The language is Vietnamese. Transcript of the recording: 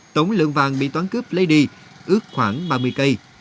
tổng lượng vàng bị toán cướp lady ướt khoảng ba mươi cây